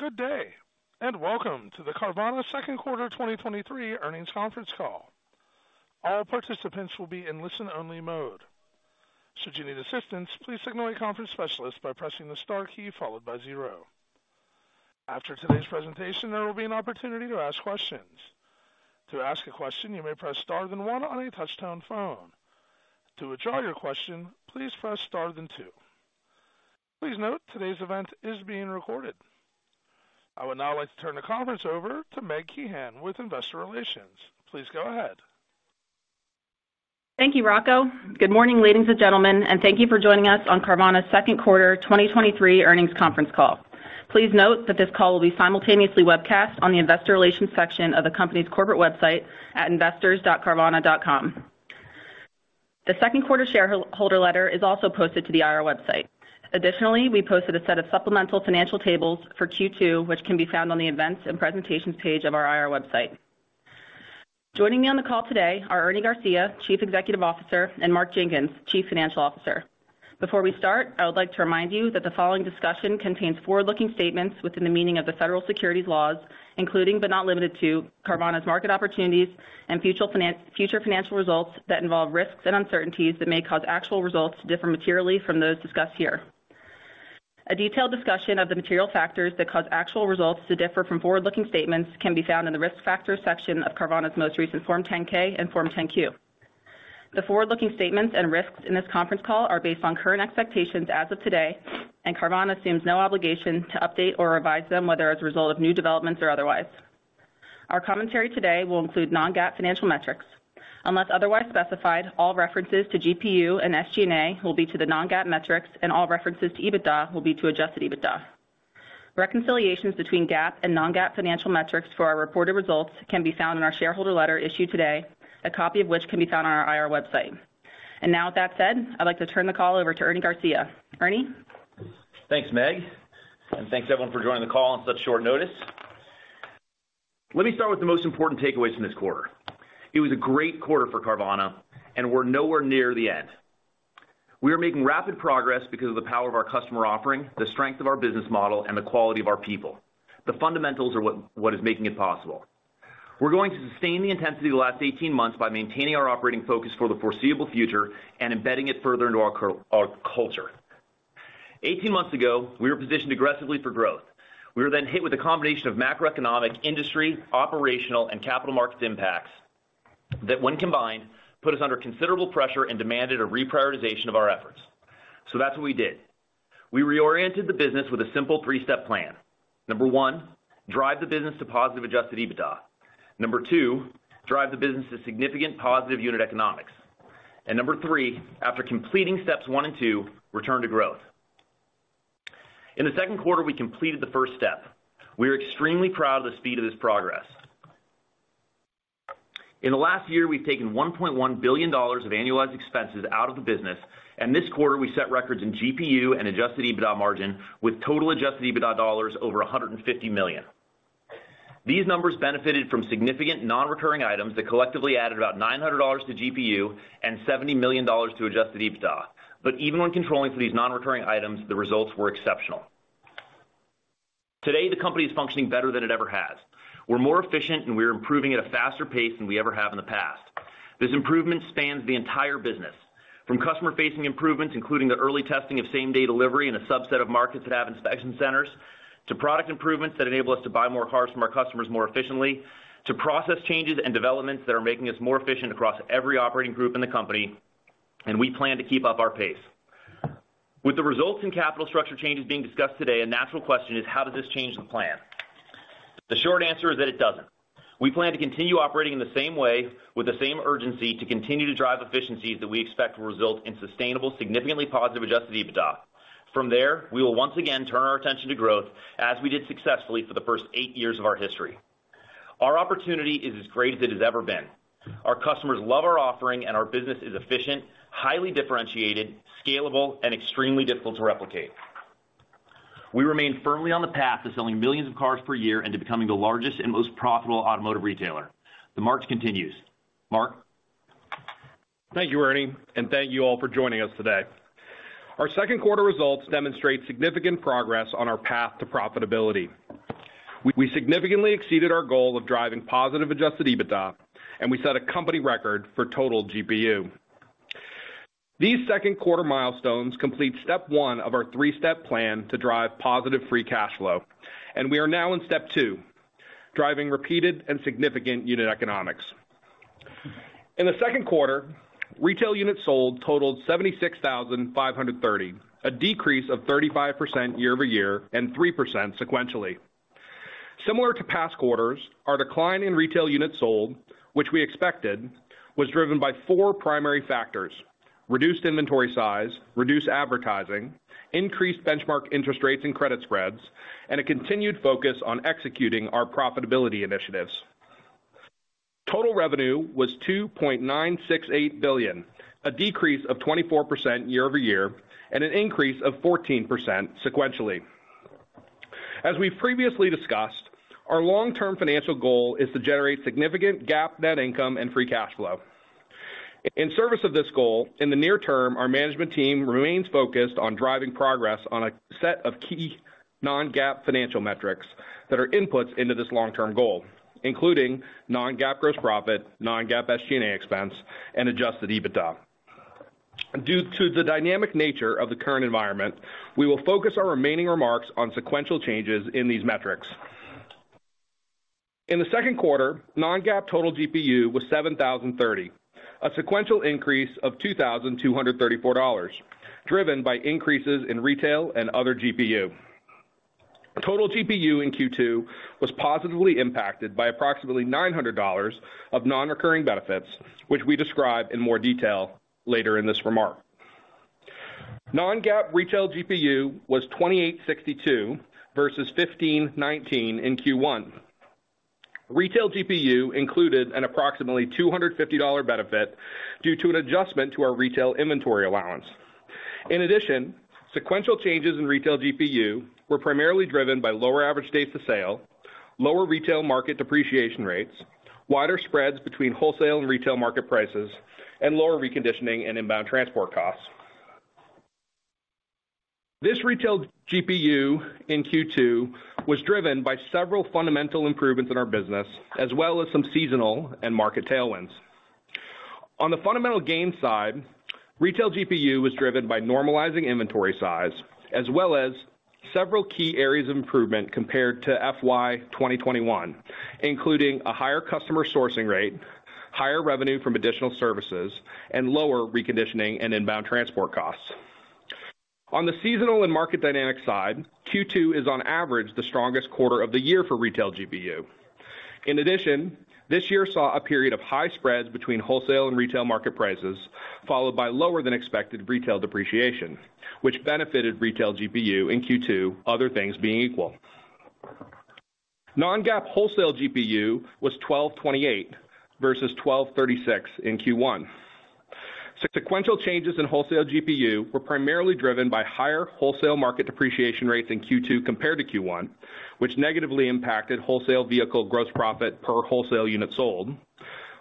Good day, and welcome to the Carvana Second Quarter 2023 Earnings Conference Call. All participants will be in listen-only mode. Should you need assistance, please signal a conference specialist by pressing the star key followed by 0. After today's presentation, there will be an opportunity to ask questions. To ask a question, you may press Star then 1 on your touch-tone phone. To withdraw your question, please press Star then 2. Please note, today's event is being recorded. I would now like to turn the conference over to Megan Kuan with Investor Relations. Please go ahead. Thank you, Rocco. Good morning, ladies and gentlemen, and thank you for joining us on Carvana's second quarter 2023 earnings conference call. Please note that this call will be simultaneously webcast on the investor relations section of the company's corporate website at investors.carvana.com. The second quarter shareholder letter is also posted to the IR website. Additionally, we posted a set of supplemental financial tables for Q2, which can be found on the Events and Presentations page of our IR website. Joining me on the call today are Ernie Garcia, Chief Executive Officer, and Mark Jenkins, Chief Financial Officer. Before we start, I would like to remind you that the following discussion contains forward-looking statements within the meaning of the federal securities laws, including, but not limited to, Carvana's market opportunities and future financial results that involve risks and uncertainties that may cause actual results to differ materially from those discussed here. A detailed discussion of the material factors that cause actual results to differ from forward-looking statements can be found in the Risk Factors section of Carvana's most recent Form 10-K and Form 10-Q. The forward-looking statements and risks in this conference call are based on current expectations as of today, and Carvana assumes no obligation to update or revise them, whether as a result of new developments or otherwise. Our commentary today will include non-GAAP financial metrics. Unless otherwise specified, all references to GPU and SG&A will be to the non-GAAP metrics, and all references to EBITDA will be to adjusted EBITDA. Reconciliations between GAAP and non-GAAP financial metrics for our reported results can be found in our shareholder letter issued today, a copy of which can be found on our IR website. Now, with that said, I'd like to turn the call over to Ernie Garcia. Ernie? Thanks, Meg, thanks, everyone, for joining the call on such short notice. Let me start with the most important takeaways from this quarter. It was a great quarter for Carvana, and we're nowhere near the end. We are making rapid progress because of the power of our customer offering, the strength of our business model, and the quality of our people. The fundamentals are what is making it possible. We're going to sustain the intensity of the last 18 months by maintaining our operating focus for the foreseeable future and embedding it further into our culture. 18 months ago, we were positioned aggressively for growth. We were then hit with a combination of macroeconomic, industry, operational, and capital market impacts that, when combined, put us under considerable pressure and demanded a reprioritization of our efforts. That's what we did. We reoriented the business with a simple three-step plan. Number one, drive the business to positive adjusted EBITDA. Number two, drive the business to significant positive unit economics. Number three, after completing steps one and two, return to growth. In the second quarter, we completed the first step. We are extremely proud of the speed of this progress. In the last year, we've taken $1.1 billion of annualized expenses out of the business. This quarter, we set records in GPU and adjusted EBITDA margin, with total adjusted EBITDA dollars over $150 million. These numbers benefited from significant non-recurring items that collectively added about $900 to GPU and $70 million to adjusted EBITDA. Even when controlling for these non-recurring items, the results were exceptional. Today, the company is functioning better than it ever has. We're more efficient, and we are improving at a faster pace than we ever have in the past. This improvement spans the entire business, from customer-facing improvements, including the early testing of same-day delivery in a subset of markets that have inspection centers, to product improvements that enable us to buy more cars from our customers more efficiently, to process changes and developments that are making us more efficient across every operating group in the company. We plan to keep up our pace. With the results and capital structure changes being discussed today, a natural question is: How does this change the plan? The short answer is that it doesn't. We plan to continue operating in the same way, with the same urgency, to continue to drive efficiencies that we expect will result in sustainable, significantly positive adjusted EBITDA. From there, we will once again turn our attention to growth, as we did successfully for the first 8 years of our history. Our opportunity is as great as it has ever been. Our customers love our offering, and our business is efficient, highly differentiated, scalable, and extremely difficult to replicate. We remain firmly on the path to selling millions of cars per year and to becoming the largest and most profitable automotive retailer. The march continues. Mark? Thank you, Ernie, and thank you all for joining us today. Our second quarter results demonstrate significant progress on our path to profitability. We significantly exceeded our goal of driving positive adjusted EBITDA, and we set a company record for total GPU. These second quarter milestones complete step one of our three-step plan to drive positive free cash flow, and we are now in step two, driving repeated and significant unit economics. In the second quarter, retail units sold totaled 76,530, a decrease of 35% year-over-year and 3% sequentially. Similar to past quarters, our decline in retail units sold, which we expected, was driven by four primary factors: reduced inventory size, reduced advertising, increased benchmark interest rates and credit spreads, and a continued focus on executing our profitability initiatives. Total revenue was $2.968 billion, a decrease of 24% year-over-year and an increase of 14% sequentially. As we've previously discussed, our long-term financial goal is to generate significant GAAP net income and free cash flow. In service of this goal, in the near term, our management team remains focused on driving progress on a set of key non-GAAP financial metrics that are inputs into this long-term goal, including non-GAAP gross profit, non-GAAP SG&A expense, and adjusted EBITDA. Due to the dynamic nature of the current environment, we will focus our remaining remarks on sequential changes in these metrics. In the second quarter, non-GAAP total GPU was $7,030, a sequential increase of $2,234, driven by increases in retail and other GPU. Total GPU in Q2 was positively impacted by approximately $900 of non-recurring benefits, which we describe in more detail later in this remark. Non-GAAP retail GPU was $2,862 versus $1,519 in Q1. Retail GPU included an approximately $250 benefit due to an adjustment to our retail inventory allowance. Sequential changes in retail GPU were primarily driven by lower average days to sale, lower retail market depreciation rates, wider spreads between wholesale and retail market prices, and lower reconditioning and inbound transport costs. This retail GPU in Q2 was driven by several fundamental improvements in our business, as well as some seasonal and market tailwinds. On the fundamental gain side, retail GPU was driven by normalizing inventory size, as well as several key areas of improvement compared to FY 2021, including a higher customer sourcing rate, higher revenue from additional services, and lower reconditioning and inbound transport costs. On the seasonal and market dynamic side, Q2 is on average, the strongest quarter of the year for retail GPU. This year saw a period of high spreads between wholesale and retail market prices, followed by lower than expected retail depreciation, which benefited retail GPU in Q2, other things being equal. Non-GAAP wholesale GPU was $1,228 versus $1,236 in Q1. Sequential changes in wholesale GPU were primarily driven by higher wholesale market depreciation rates in Q2 compared to Q1, which negatively impacted wholesale vehicle gross profit per wholesale unit sold,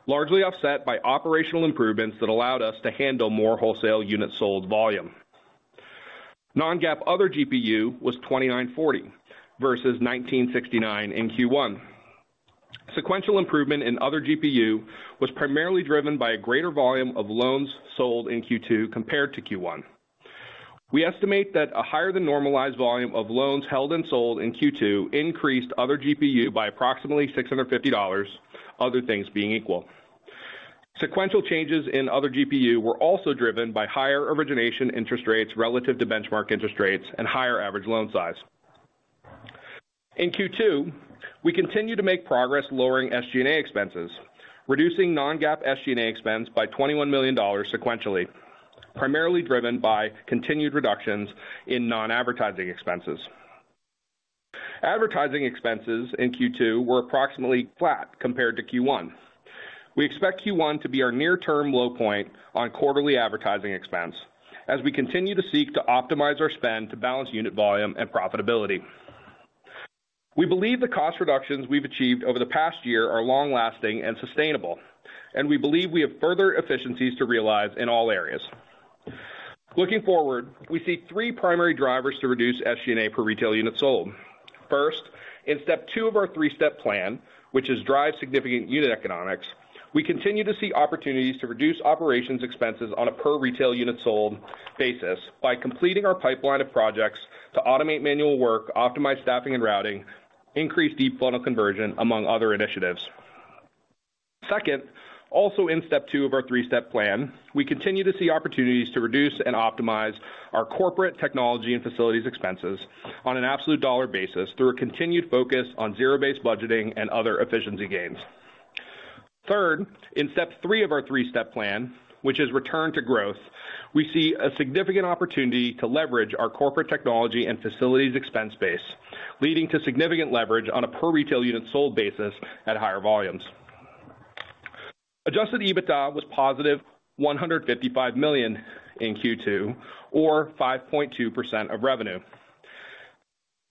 largely offset by operational improvements that allowed us to handle more wholesale units sold volume. Non-GAAP other GPU was $2,940 versus $1,969 in Q1. Sequential improvement in other GPU was primarily driven by a greater volume of loans sold in Q2 compared to Q1. We estimate that a higher-than-normalized volume of loans held and sold in Q2 increased other GPU by approximately $650, other things being equal. Sequential changes in other GPU were also driven by higher origination interest rates relative to benchmark interest rates and higher average loan size. In Q2, we continued to make progress lowering SG&A expenses, reducing non-GAAP SG&A expense by $21 million sequentially, primarily driven by continued reductions in non-advertising expenses. Advertising expenses in Q2 were approximately flat compared to Q1. We expect Q1 to be our near-term low point on quarterly advertising expense as we continue to seek to optimize our spend to balance unit volume and profitability. We believe the cost reductions we've achieved over the past year are long-lasting and sustainable. We believe we have further efficiencies to realize in all areas. Looking forward, we see three primary drivers to reduce SG&A per retail unit sold. First, in step two of our three-step plan, which is drive significant unit economics, we continue to see opportunities to reduce operations expenses on a per retail unit sold basis by completing our pipeline of projects to automate manual work, optimize staffing and routing, increase deep funnel conversion, among other initiatives. Second, also in step two of our three-step plan, we continue to see opportunities to reduce and optimize our corporate technology and facilities expenses on an absolute dollar basis through a continued focus on zero-based budgeting and other efficiency gains. Third, in step three of our three-step plan, which is return to growth, we see a significant opportunity to leverage our corporate technology and facilities expense base, leading to significant leverage on a per retail unit sold basis at higher volumes. Adjusted EBITDA was positive $155 million in Q2, or 5.2% of revenue.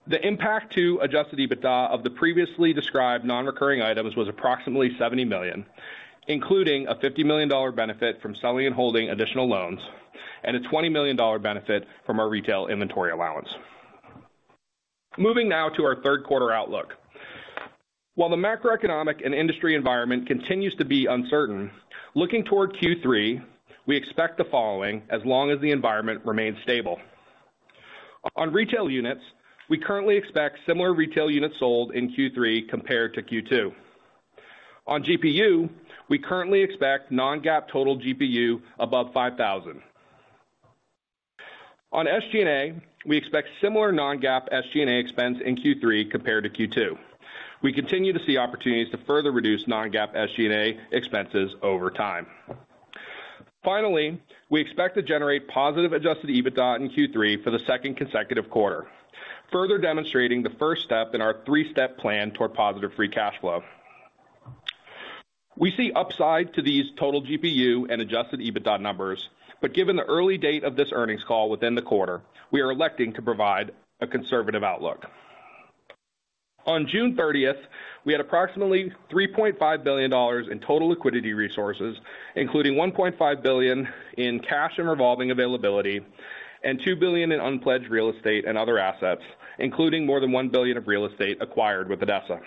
The impact to adjusted EBITDA of the previously described non-recurring items was approximately $70 million, including a $50 million benefit from selling and holding additional loans and a $20 million benefit from our retail inventory allowance. Moving now to our third quarter outlook. While the macroeconomic and industry environment continues to be uncertain, looking toward Q3, we expect the following as long as the environment remains stable. On retail units, we currently expect similar retail units sold in Q3 compared to Q2. On GPU, we currently expect non-GAAP total GPU above 5,000. On SG&A, we expect similar non-GAAP SG&A expense in Q3 compared to Q2. We continue to see opportunities to further reduce non-GAAP SG&A expenses over time. Finally, we expect to generate positive adjusted EBITDA in Q3 for the second consecutive quarter, further demonstrating the first step in our three-step plan toward positive free cash flow. We see upside to these total GPU and adjusted EBITDA numbers. Given the early date of this earnings call within the quarter, we are electing to provide a conservative outlook. On June 30th, we had approximately $3.5 billion in total liquidity resources, including $1.5 billion in cash and revolving availability and $2 billion in unpledged real estate and other assets, including more than $1 billion of real estate acquired with ADESA.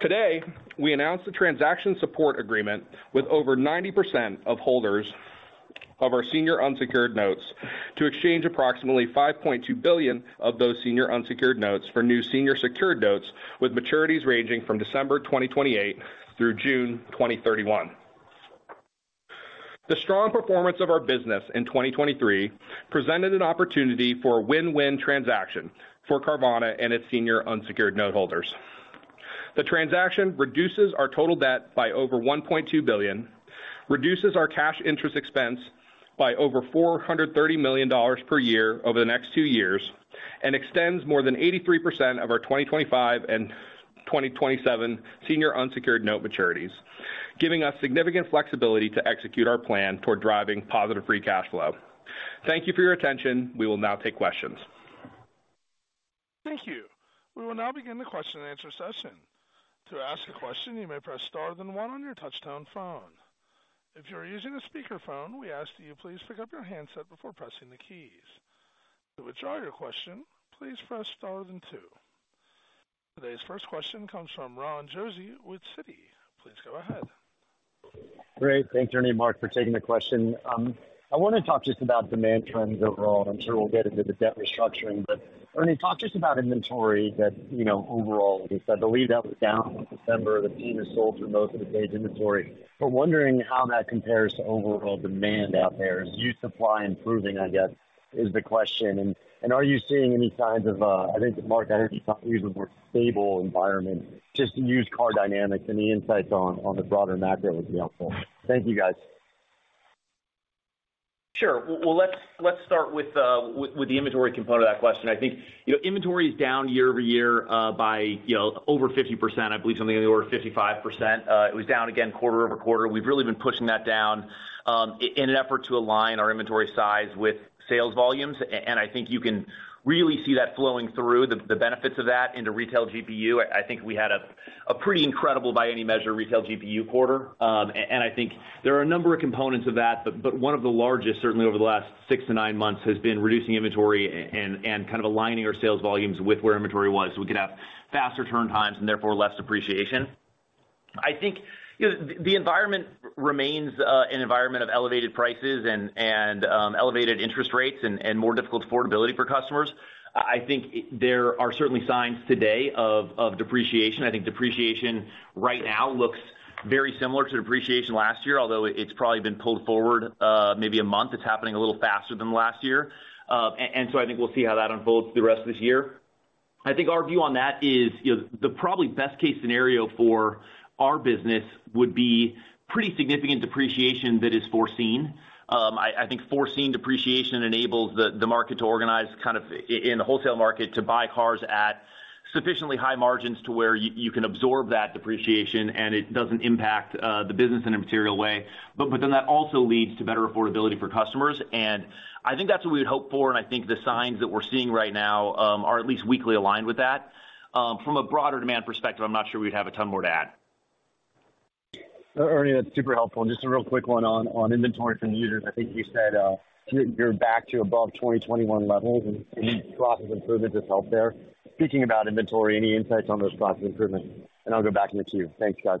Today, we announced a transaction support agreement with over 90% of holders of our senior unsecured notes to exchange approximately $5.2 billion of those senior unsecured notes for new senior secured notes, with maturities ranging from December 2028 through June 2031. The strong performance of our business in 2023 presented an opportunity for a win-win transaction for Carvana and its senior unsecured noteholders. The transaction reduces our total debt by over $1.2 billion, reduces our cash interest expense by over $430 million per year over the next two years, and extends more than 83% of our 2025 and 2027 senior unsecured note maturities, giving us significant flexibility to execute our plan toward driving positive free cash flow. Thank you for your attention. We will now take questions. Thank you. We will now begin the question and answer session. To ask a question, you may press Star then 1 on your touchtone phone. If you are using a speakerphone, we ask that you please pick up your handset before pressing the keys. To withdraw your question, please press Star then 2. Today's first question comes from Ronald Josey with Citi. Please go ahead. Great. Thanks, Ernie and Mark, for taking the question. I want to talk just about demand trends overall, and I'm sure we'll get into the debt restructuring. Ernie, talk to us about inventory that, you know, overall, I believe that was down in December. The team has sold for most of ADESA's inventory. Wondering how that compares to overall demand out there. Is used supply improving, I guess, is the question. Are you seeing any signs of, I think, Mark, I think you use the word stable environment, just in used car dynamics. Any insights on the broader macro would be helpful. Thank you, guys. Sure. Well, let's start with the inventory component of that question. I think, you know, inventory is down year-over-year, by, you know, over 50%, I believe something in the order of 55%. It was down again quarter-over-quarter. We've really been pushing that down in an effort to align our inventory size with sales volumes, and I think you can really see that flowing through the benefits of that into retail GPU. I think we had a pretty incredible, by any measure, retail GPU quarter. I think there are a number of components of that, but one of the largest, certainly over the last six to nine months, has been reducing inventory and kind of aligning our sales volumes with where inventory was, so we could have faster turn times and therefore less depreciation. I think, you know, the environment remains an environment of elevated prices and elevated interest rates and more difficult affordability for customers. I think there are certainly signs today of depreciation. I think depreciation right now looks very similar to depreciation last year, although it's probably been pulled forward, maybe a month. It's happening a little faster than last year. So I think we'll see how that unfolds through the rest of this year. I think our view on that is, you know, the probably best case scenario for our business would be pretty significant depreciation that is foreseen. I think foreseen depreciation enables the market to organize, kind of, in the wholesale market, to buy cars at sufficiently high margins to where you can absorb that depreciation, and it doesn't impact the business in a material way. That also leads to better affordability for customers, and I think that's what we'd hope for, and I think the signs that we're seeing right now, are at least weakly aligned with that. From a broader demand perspective, I'm not sure we'd have a ton more to add. Ernie, that's super helpful. Just a real quick one on inventory from users. I think you said you're back to above 2021 levels. Any profits improvement just out there. Speaking about inventory, any insights on those profits improvements? I'll go back in the queue. Thanks, guys.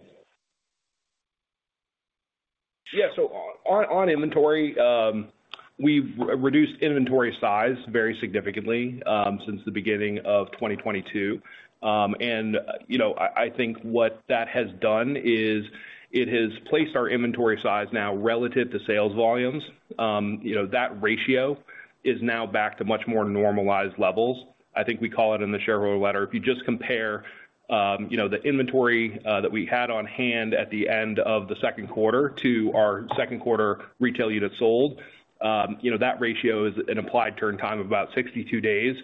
Yeah, on inventory, we've re-reduced inventory size very significantly since the beginning of 2022. You know, I think what that has done is it has placed our inventory size now relative to sales volumes. You know, that ratio is now back to much more normalized levels. I think we call it in the shareholder letter. If you just compare, you know, the inventory that we had on hand at the end of the second quarter to our second quarter retail units sold, you know, that ratio is an applied turn time of about 62 days,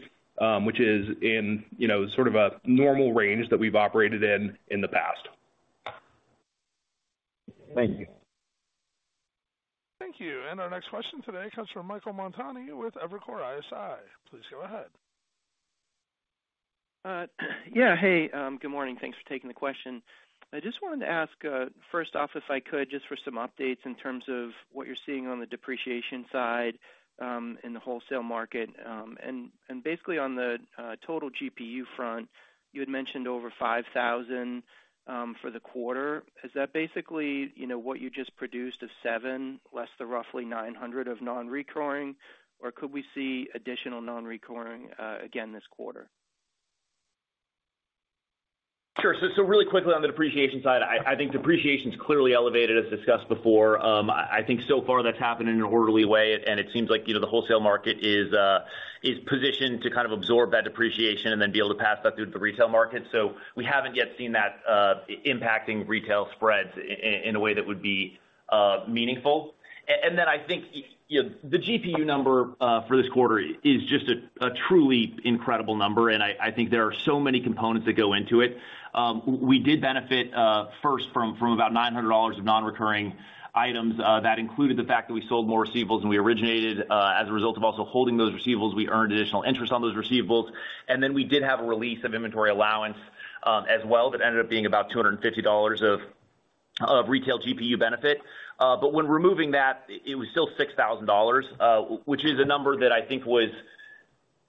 which is in, you know, sort of a normal range that we've operated in the past. Thank you. Thank you. Our next question today comes from Michael Montani with Evercore ISI. Please go ahead. Yeah, hey, good morning. Thanks for taking the question. I just wanted to ask, first off, if I could, just for some updates in terms of what you're seeing on the depreciation side in the wholesale market. Basically on the total GPU front, you had mentioned over $5,000 for the quarter. Is that basically, you know, what you just produced, is $7 less the roughly $900 of non-recurring, or could we see additional non-recurring again, this quarter? Sure. Really quickly on the depreciation side, I think depreciation is clearly elevated, as discussed before. I think so far that's happened in an orderly way, it seems like, you know, the wholesale market is positioned to kind of absorb that depreciation and then be able to pass that through to the retail market. We haven't yet seen that impacting retail spreads in a way that would be meaningful. I think, you know, the GPU number for this quarter is just a truly incredible number, I think there are so many components that go into it. We did benefit first from about $900 of non-recurring items. That included the fact that we sold more receivables and we originated, as a result of also holding those receivables, we earned additional interest on those receivables. We did have a release of inventory allowance, as well, that ended up being about $250 of retail GPU benefit. When removing that, it was still $6,000, which is a number that I think was,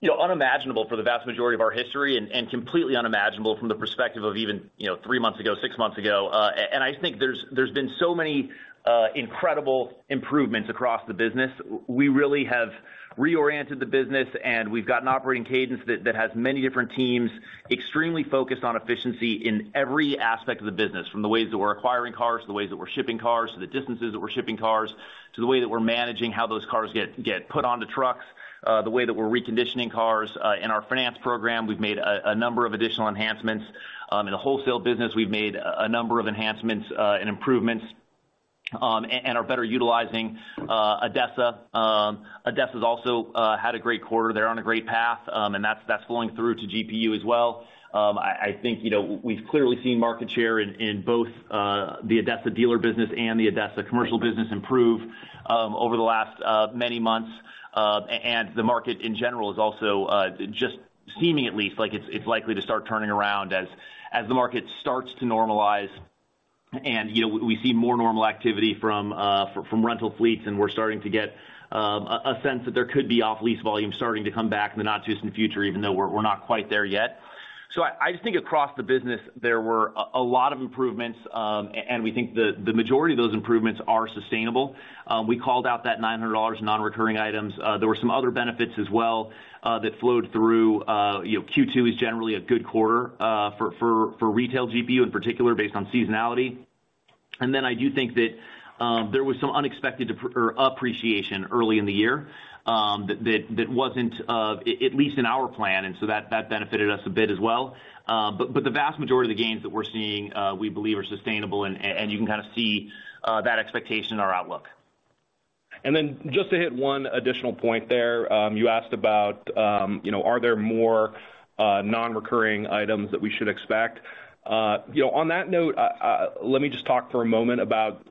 you know, unimaginable for the vast majority of our history and completely unimaginable from the perspective of even, you know, three months ago, six months ago. I think there's been so many incredible improvements across the business. We really have reoriented the business, and we've got an operating cadence that has many different teams, extremely focused on efficiency in every aspect of the business, from the ways that we're acquiring cars, to the ways that we're shipping cars, to the distances that we're shipping cars, to the way that we're managing how those cars get put onto trucks, the way that we're reconditioning cars. In our finance program, we've made a number of additional enhancements. In the wholesale business, we've made a number of enhancements and improvements and are better utilizing ADESA. ADESA has also had a great quarter. They're on a great path, and that's flowing through to GPU as well. I think, you know, we've clearly seen market share in both the ADESA dealer business and the ADESA commercial business improve over the last many months. The market, in general, is also just seeming at least like it's likely to start turning around as the market starts to normalize. You know, we see more normal activity from rental fleets, and we're starting to get a sense that there could be off lease volume starting to come back in the not-too-distant future, even though we're not quite there yet. I just think across the business, there were a lot of improvements, and we think the majority of those improvements are sustainable. We called out that $900 non-recurring items. There were some other benefits as well that flowed through. You know, Q2 is generally a good quarter for retail GPU, in particular, based on seasonality. Then I do think that there was some unexpected depr- or appreciation early in the year that wasn't at least in our plan, and so that benefited us a bit as well. The vast majority of the gains that we're seeing, we believe are sustainable, and you can kind of see that expectation in our outlook. Just to hit one additional point there. You asked about, you know, are there more non-recurring items that we should expect? You know, on that note, let me just talk for a moment about,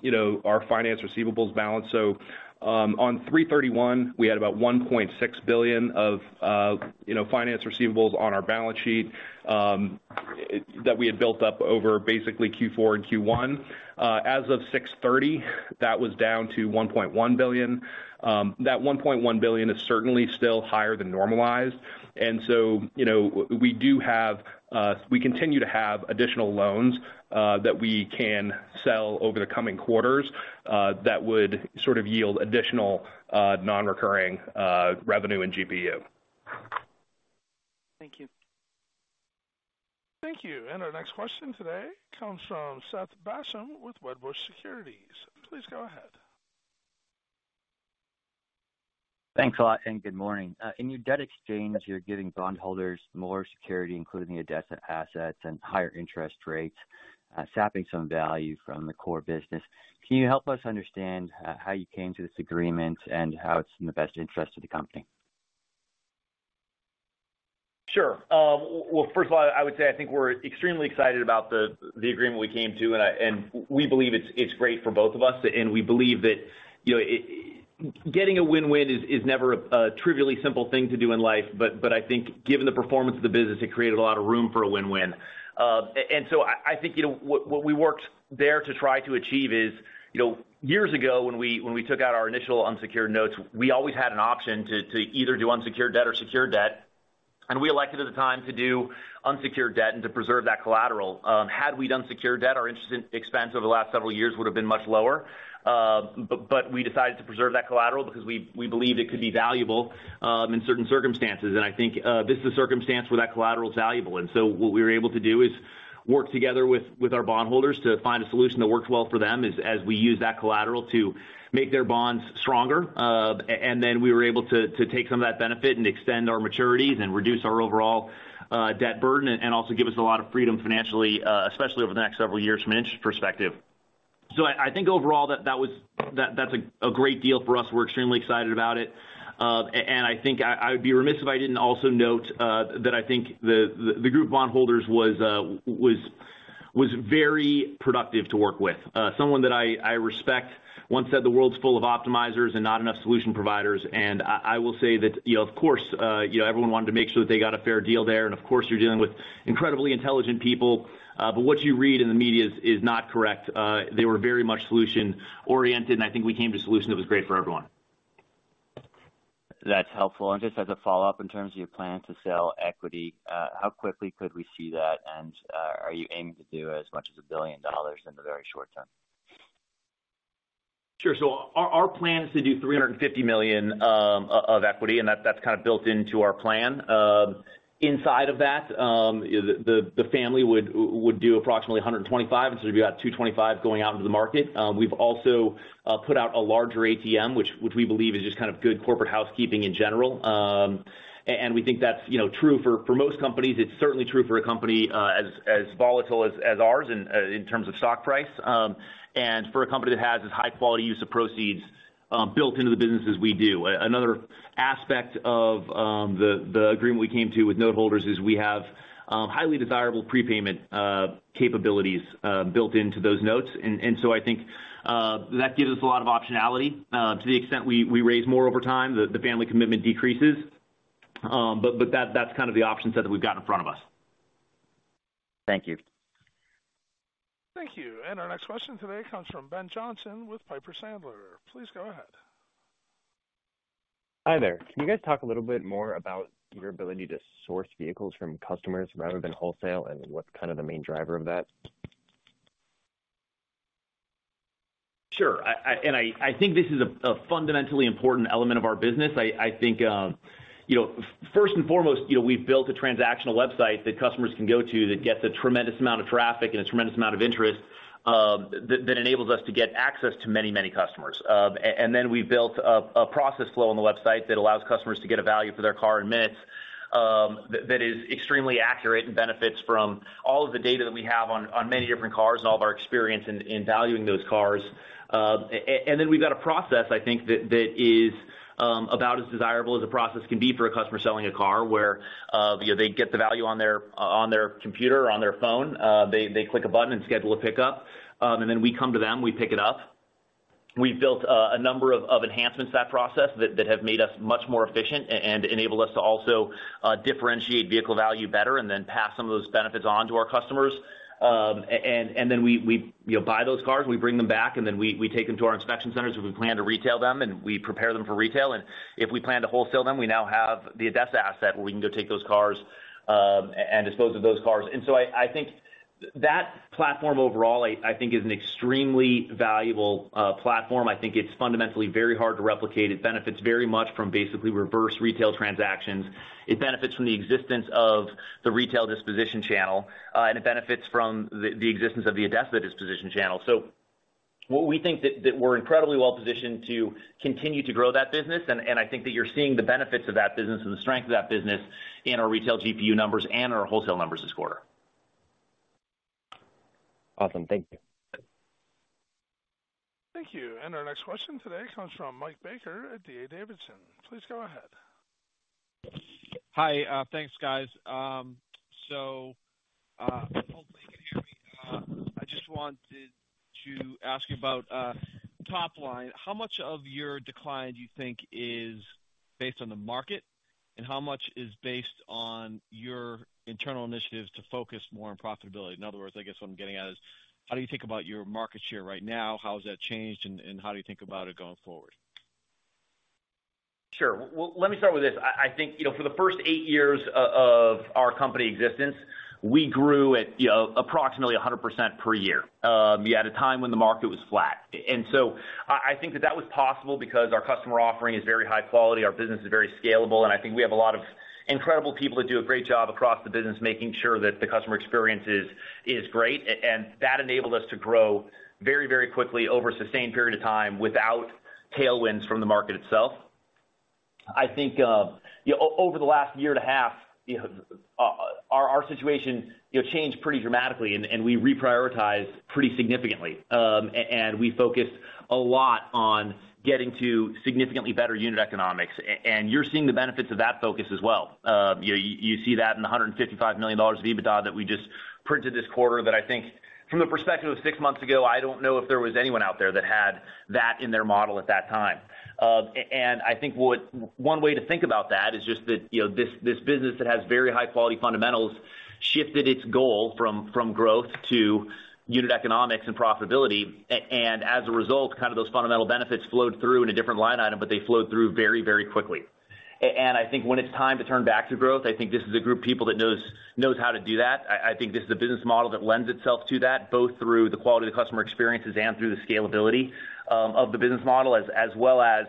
you know, our finance receivables balance. On three thirty-one, we had about $1.6 billion of, you know, finance receivables on our balance sheet, that we had built up over basically Q4 and Q1. As of six thirty, that was down to $1.1 billion. That $1.1 billion is certainly still higher than normalized. You know, we do have, we continue to have additional loans, that we can sell over the coming quarters, that would sort of yield additional non-recurring revenue in GPU. Thank you. Thank you. Our next question today comes from Seth Basham with Wedbush Securities. Please go ahead. Thanks a lot. Good morning. In your debt exchange, you're giving bondholders more security, including the ADESA assets and higher interest rates, sapping some value from the core business. Can you help us understand how you came to this agreement and how it's in the best interest of the company? Sure. Well, first of all, I would say I think we're extremely excited about the agreement we came to, and we believe it's great for both of us. We believe that, you know, getting a win-win is never a trivially simple thing to do in life, but I think given the performance of the business, it created a lot of room for a win-win. I think, you know, what we worked there to try to achieve is, you know, years ago, when we, when we took out our initial unsecured notes, we always had an option to either do unsecured debt or secured debt, and we elected at the time to do unsecured debt and to preserve that collateral. Had we done secured debt, our interest expense over the last several years would have been much lower. We decided to preserve that collateral because we believed it could be valuable in certain circumstances. I think this is a circumstance where that collateral is valuable. What we were able to do is work together with our bondholders to find a solution that works well for them as we use that collateral to make their bonds stronger. We were able to take some of that benefit and extend our maturities and reduce our overall debt burden, and also give us a lot of freedom financially, especially over the next several years from an interest perspective. I think overall, that's a great deal for us. We're extremely excited about it. I think I would be remiss if I didn't also note that I think the group bondholders was very productive to work with. Someone that I respect once said the world's full of optimizers and not enough solution providers. I will say that, you know, of course, you know, everyone wanted to make sure that they got a fair deal there. Of course, you're dealing with incredibly intelligent people, but what you read in the media is not correct. They were very much solution-oriented, and I think we came to a solution that was great for everyone. That's helpful. Just as a follow-up, in terms of your plan to sell equity, how quickly could we see that? Are you aiming to do as much as $1 billion in the very short term? Sure. Our plan is to do $350 million of equity, and that's kind of built into our plan. Inside of that, the family would do approximately $125 million, it'd be about $225 million going out into the market. We've also put out a larger ATM, which we believe is just kind of good corporate housekeeping in general. And we think that's, you know, true for most companies. It's certainly true for a company as volatile as ours in terms of stock price, and for a company that has as high-quality use of proceeds built into the business as we do. Another aspect of the agreement we came to with noteholders is we have highly desirable prepayment capabilities built into those notes. I think that gives us a lot of optionality. To the extent we raise more over time, the family commitment decreases. That's kind of the option set that we've got in front of us. Thank you. Thank you. Our next question today comes from Alexander Potter with Piper Sandler. Please go ahead. Hi there. Can you guys talk a little bit more about your ability to source vehicles from customers rather than wholesale, and what's kind of the main driver of that? Sure. I think this is a fundamentally important element of our business. I think, you know, first and foremost, you know, we've built a transactional website that customers can go to that gets a tremendous amount of traffic and a tremendous amount of interest, that enables us to get access to many, many customers. Then we've built a process flow on the website that allows customers to get a value for their car in minutes, that is extremely accurate and benefits from all of the data that we have on many different cars and all of our experience in valuing those cars. We've got a process, I think, that is about as desirable as a process can be for a customer selling a car where, you know, they get the value on their computer or on their phone. They click a button and schedule a pickup, and then we come to them, we pick it up. We've built a number of enhancements to that process that have made us much more efficient and enabled us to also differentiate vehicle value better and then pass some of those benefits on to our customers. We, you know, buy those cars, we bring them back, and then we take them to our inspection centers, if we plan to retail them, and we prepare them for retail. If we plan to wholesale them, we now have the ADESA asset, where we can go take those cars and dispose of those cars. I think that platform overall, I think is an extremely valuable platform. I think it's fundamentally very hard to replicate. It benefits very much from basically reverse retail transactions. It benefits from the existence of the retail disposition channel and it benefits from the existence of the ADESA disposition channel. What we think that we're incredibly well positioned to continue to grow that business, and I think that you're seeing the benefits of that business and the strength of that business in our retail GPU numbers and our wholesale numbers this quarter. Awesome. Thank you. Thank you. Our next question today comes from Mike Baker at D.A. Davidson. Please go ahead. Hi. Thanks, guys. Hopefully, you can hear me. I just wanted to ask about, top line. How much of your decline do you think is based on the market, and how much is based on your internal initiatives to focus more on profitability? In other words, I guess what I'm getting at is, how do you think about your market share right now? How has that changed, and how do you think about it going forward? Sure. Well, let me start with this. I think, you know, for the first 8 years of our company existence, we grew at, you know, approximately 100% per year, at a time when the market was flat. So I think that that was possible because our customer offering is very high quality, our business is very scalable, and I think we have a lot of incredible people that do a great job across the business, making sure that the customer experience is great. That enabled us to grow very, very quickly over a sustained period of time without tailwinds from the market itself. I think, you know, over the last year and a half, you know, our situation, you know, changed pretty dramatically, and we reprioritized pretty significantly. We focused a lot on getting to significantly better unit economics, and you're seeing the benefits of that focus as well. You see that in the $155 million of EBITDA that we just printed this quarter, that I think from the perspective of six months ago, I don't know if there was anyone out there that had that in their model at that time. I think one way to think about that is just that, you know, this business that has very high-quality fundamentals, shifted its goal from growth to unit economics and profitability. As a result, kind of those fundamental benefits flowed through in a different line item, but they flowed through very quickly. I think when it's time to turn back to growth, I think this is a group of people that knows how to do that. I think this is a business model that lends itself to that, both through the quality of the customer experiences and through the scalability of the business model, as well as...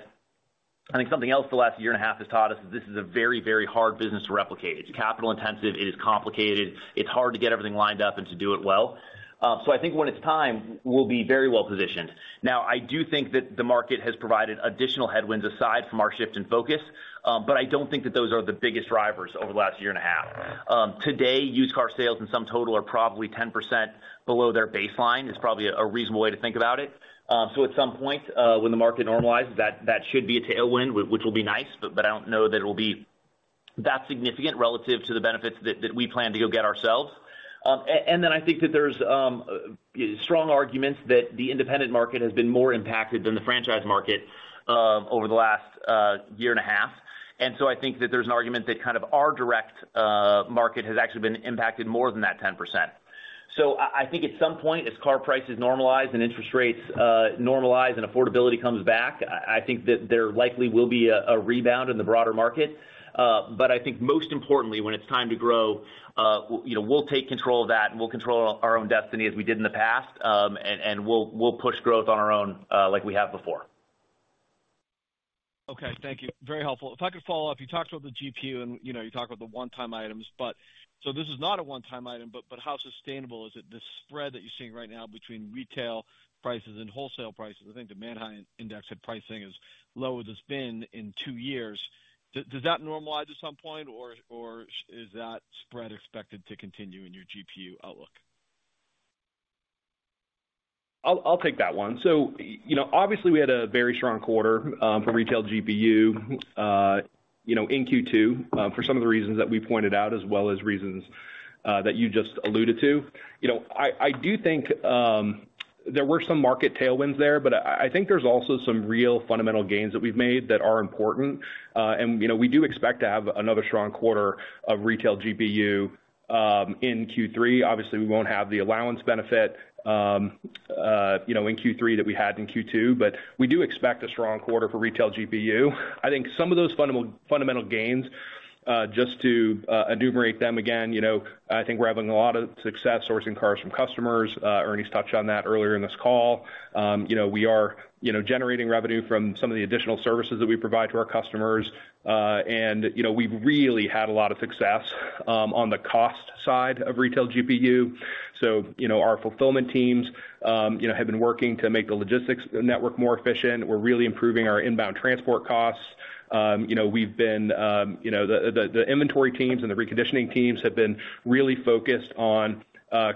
I think something else the last year and a half has taught us is this is a very, very hard business to replicate. It's capital intensive, it is complicated, it's hard to get everything lined up and to do it well. I think when it's time, we'll be very well positioned. Now, I do think that the market has provided additional headwinds aside from our shift in focus, I don't think that those are the biggest drivers over the last year and a half. Today, used car sales in some total are probably 10% below their baseline, is probably a reasonable way to think about it. At some point, when the market normalizes, that should be a tailwind, which will be nice, but I don't know that it'll be that significant relative to the benefits that we plan to go get ourselves. I think that there's strong arguments that the independent market has been more impacted than the franchise market over the last year and a half. I think that there's an argument that kind of our direct market has actually been impacted more than that 10%. I think at some point, as car prices normalize and interest rates normalize and affordability comes back, I think that there likely will be a rebound in the broader market. I think most importantly, when it's time to grow, you know, we'll take control of that, and we'll control our own destiny as we did in the past, and we'll push growth on our own, like we have before. Okay. Thank you. Very helpful. If I could follow up, you talked about the GPU, you know, you talked about the one-time items, this is not a one-time item, but how sustainable is it, the spread that you're seeing right now between retail prices and wholesale prices? I think the Manheim Index and pricing is low as it's been in two years. Does that normalize at some point, or is that spread expected to continue in your GPU outlook? I'll take that one. You know, obviously, we had a very strong quarter for retail GPU, you know, in Q2, for some of the reasons that we pointed out, as well as reasons that you just alluded to. You know, I do think there were some market tailwinds there, but I think there's also some real fundamental gains that we've made that are important. You know, we do expect to have another strong quarter of retail GPU in Q3. Obviously, we won't have the allowance benefit, you know, in Q3 that we had in Q2, but we do expect a strong quarter for retail GPU. I think some of those fundamental gains just to enumerate them again, you know, I think we're having a lot of success sourcing cars from customers. Ernie's touched on that earlier in this call. You know, we are, you know, generating revenue from some of the additional services that we provide to our customers. You know, we've really had a lot of success on the cost side of retail GPU. You know, our fulfillment teams, you know, have been working to make the logistics network more efficient. We're really improving our inbound transport costs. You know, we've been, you know, the inventory teams and the reconditioning teams have been really focused on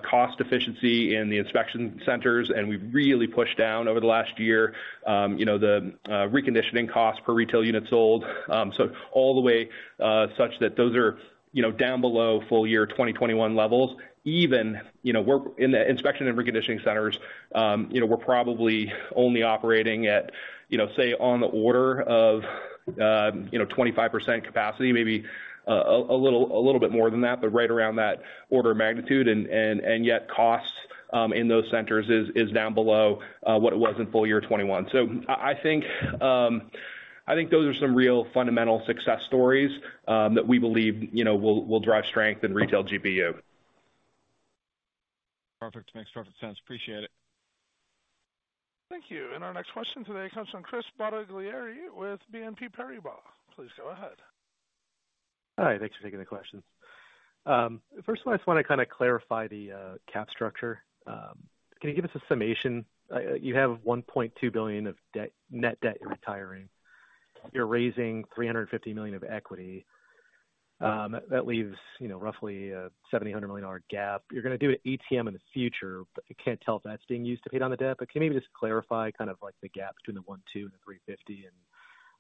cost efficiency in the inspection centers, and we've really pushed down over the last year, you know, the reconditioning costs per retail unit sold. All the way such that those are down below full year 2021 levels, even we're in the inspection and reconditioning centers, we're probably only operating at say, on the order of 25% capacity, maybe a little bit more than that, but right around that order of magnitude. Yet costs in those centers is down below what it was in full year 21. I think those are some real fundamental success stories that we believe will drive strength in retail GPU. Perfect. Makes perfect sense. Appreciate it. Thank you. Our next question today comes from Chris Bottiglieri with BNP Paribas. Please go ahead. Hi, thanks for taking the question. First of all, I just wanna kinda clarify the cap structure. Can you give us a summation? You have $1.2 billion of debt- net debt you're retiring. You're raising $350 million of equity. That leaves, you know, roughly a $70 million gap. You're gonna do an ATM in the future, but I can't tell if that's being used to pay down the debt. Can you maybe just clarify kind of like the gap between the $1.2 billion and the $350 million, and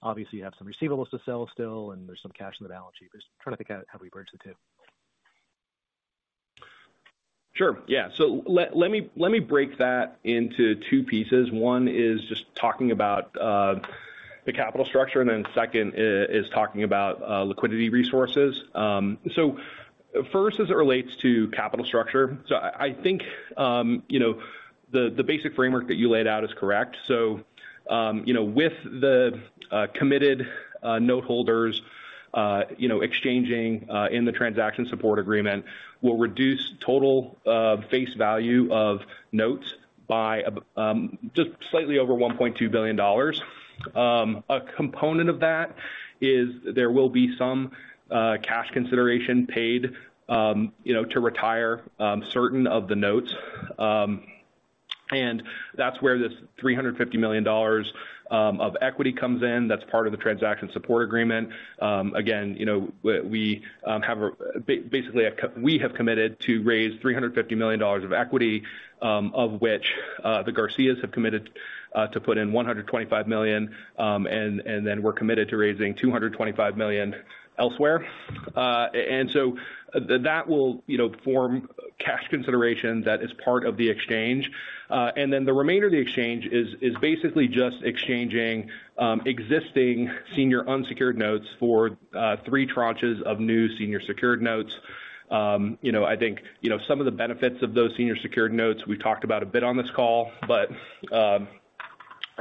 obviously you have some receivables to sell still, and there's some cash on the balance sheet. Just trying to think how we bridge the two. Sure, yeah. Let me break that into two pieces. One is just talking about the capital structure, and then second is talking about liquidity resources. First, as it relates to capital structure, I think, you know, the basic framework that you laid out is correct. You know, with the committed note holders, you know, exchanging in the transaction support agreement will reduce total face value of notes by just slightly over $1.2 billion. A component of that is there will be some cash consideration paid, you know, to retire certain of the notes. And that's where this $350 million of equity comes in. That's part of the transaction support agreement. Again, you know, we basically have committed to raise $350 million of equity, of which the Garcias have committed to put in $125 million, and then we're committed to raising $225 million elsewhere. That will, you know, form cash consideration that is part of the exchange. The remainder of the exchange is basically just exchanging existing senior unsecured notes for 3 tranches of new senior secured notes. You know, I think, you know, some of the benefits of those senior secured notes, we've talked about a bit on this call, I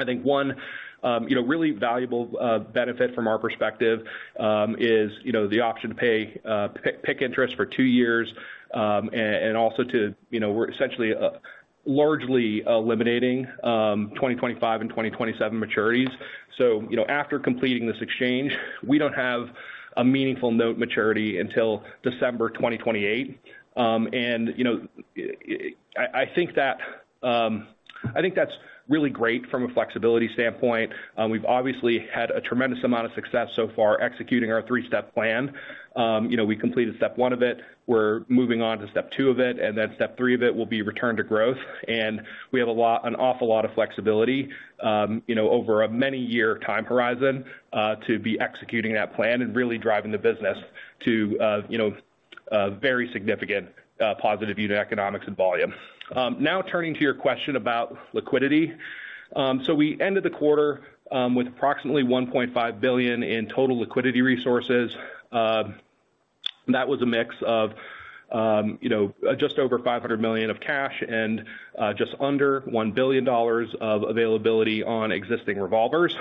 think one, you know, really valuable benefit from our perspective, is, you know, the option to pay PIK interest for 2 years, and also to, you know, we're essentially largely eliminating 2025 and 2027 maturities. You know, after completing this exchange, we don't have a meaningful note maturity until December 2028. You know, I think that, I think that's really great from a flexibility standpoint. We've obviously had a tremendous amount of success so far executing our 3-step plan. You know, we completed step one of it, we're moving on to step two of it, then step three of it will be return to growth. We have an awful lot of flexibility, you know, over a many year time horizon, to be executing that plan and really driving the business to, you know, a very significant, positive unit economics and volume. Now turning to your question about liquidity. We ended the quarter, with approximately $1.5 billion in total liquidity resources. That was a mix of, you know, just over $500 million of cash and, just under $1 billion of availability on existing revolvers.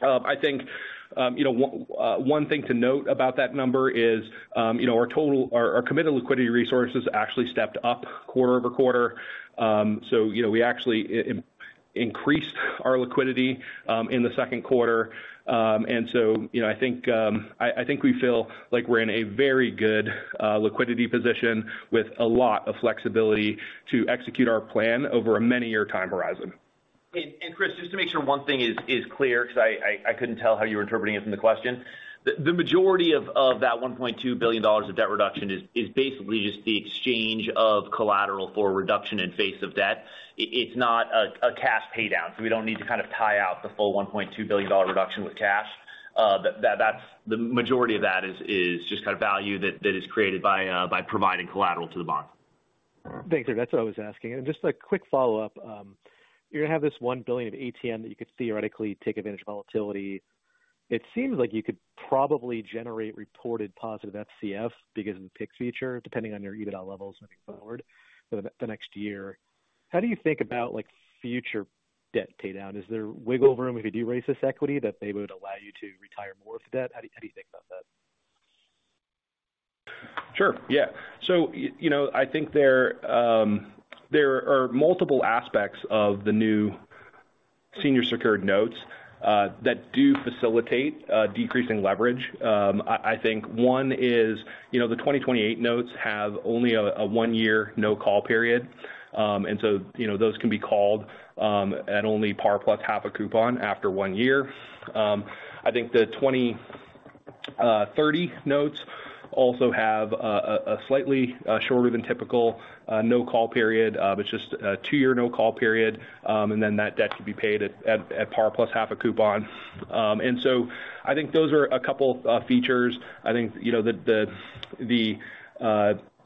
I think, you know, one thing to note about that number is, you know, our total... Our committed liquidity resources actually stepped up quarter-over-quarter. you know, we actually increased our liquidity in the second quarter. you know, I think we feel like we're in a very good liquidity position with a lot of flexibility to execute our plan over a many year time horizon. Chris, just to make sure one thing is clear, 'cause I couldn't tell how you were interpreting it from the question. The majority of that $1.2 billion of debt reduction is basically just the exchange of collateral for a reduction in face of debt. It's not a cash paydown, so we don't need to kind of tie out the full $1.2 billion reduction with cash. That's. The majority of that is just kind of value that is created by providing collateral to the bond. Thanks, that's what I was asking. Just a quick follow-up. You have this $1 billion of ATM that you could theoretically take advantage of volatility. It seems like you could probably generate reported positive FCF because of the PIK feature, depending on your EBITDA levels moving forward for the next year. How do you think about, like, future debt paydown? Is there wiggle room if you do raise this equity, that they would allow you to retire more of the debt? How do you think about that? Sure, yeah. You know, I think there are multiple aspects of the new senior secured notes that do facilitate decreasing leverage. I think one is, you know, the 2028 notes have only a 1-year no-call period. Those can be called at only par plus half a coupon after one year. I think the 2030 notes also have a slightly shorter than typical no-call period, but just a 2-year no-call period, and then that debt can be paid at par plus half a coupon. I think those are a couple features. I think, you know, the,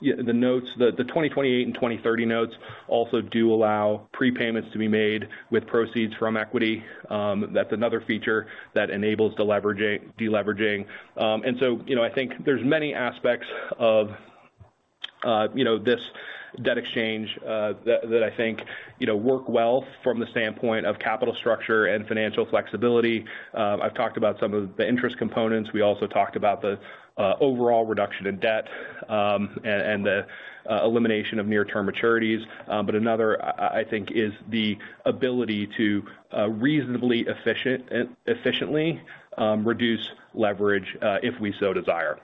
the notes, the 2028 and 2030 notes also do allow prepayments to be made with proceeds from equity. That's another feature that enables deleveraging. You know, I think there's many aspects of, you know, this debt exchange that I think, you know, work well from the standpoint of capital structure and financial flexibility. I've talked about some of the interest components. We also talked about the overall reduction in debt and the elimination of near-term maturities. Another, I think, is the ability to reasonably efficiently reduce leverage if we so desire.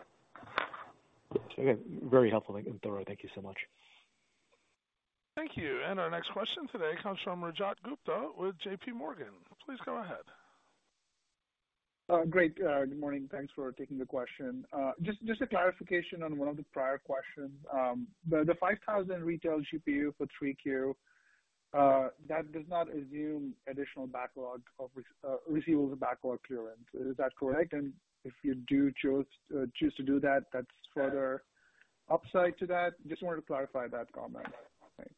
Okay. Very helpful and thorough. Thank you so much. Thank you. Our next question today comes from Rajat Gupta with JPMorgan. Please go ahead. Great. Good morning. Thanks for taking the question. Just a clarification on one of the prior questions. The 5,000 retail GPU for 3Q, that does not assume additional backlog of receivables and backlog clearance. Is that correct? If you do choose to do that's further upside to that. Just wanted to clarify that comment. Thanks.